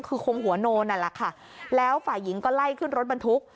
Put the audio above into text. คือคงหัวโนนั่นแหละค่ะแล้วฝ่ายหญิงก็ไล่ขึ้นรถบรรทุก